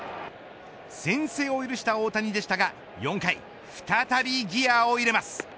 先制を許した大谷でしたが４回、再びギアを入れます。